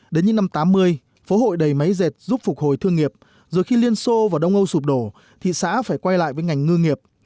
đến những năm tám mươi phố hội đầy máy dệt giúp phục hồi thương nghiệp rồi khi liên xô và đông âu sụp đổ thị xã phải quay lại với ngành ngư nghiệp